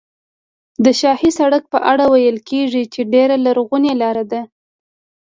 د شاهي سړک په اړه ویل کېږي چې ډېره لرغونې لاره ده.